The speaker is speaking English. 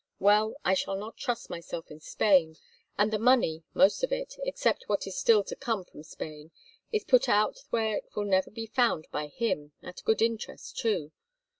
Well, I shall not trust myself in Spain, and the money, most of it, except what is still to come from Spain, is put out where it will never be found by him, at good interest too.